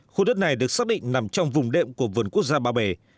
khu đất này được xác định nằm trong vùng đệm của vườn quốc gia ba bể